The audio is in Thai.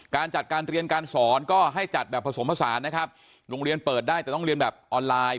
การจัดการเรียนการสอนก็ให้จัดแบบผสมผสานนะครับโรงเรียนเปิดได้แต่ต้องเรียนแบบออนไลน์